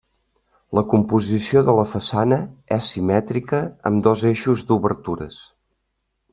La composició de la façana és simètrica amb dos eixos d'obertures.